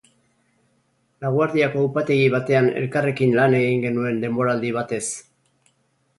Laguardiako upategi batean elkarrekin lan egin genuen denboraldi batez.